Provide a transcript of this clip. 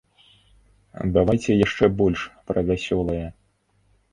Давайце яшчэ больш пра вясёлае.